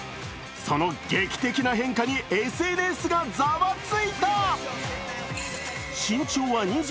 その劇的な変化にＳＮＳがざわついた！